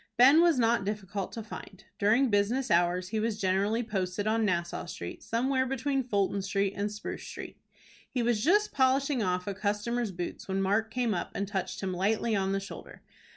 Ben was not difficult to find. During business hours he was generally posted on Nassau Street, somewhere between Fulton Street and Spruce Street. He was just polishing off a customer's boots when Mark came up, and touched him lightly on the shoulder.